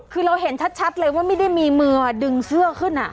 คือเราเห็นชัดเลยว่าไม่ได้มีมือดึงเสื้อขึ้น